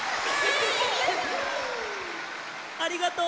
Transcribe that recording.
ありがとう！